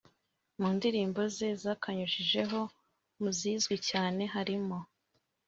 Indirimbo ze zakanyujijeho mu zizwi cyane harimo